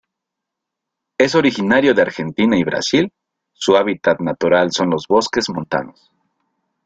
Es originario de Argentina y Brasil, su hábitat natural son los bosques montanos.